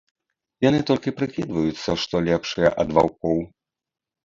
Яны толькі прыкідваюцца, што лепшыя ад ваўкоў.